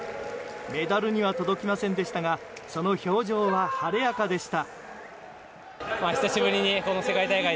メダルには届きませんでしたがその表情は晴れやかでした。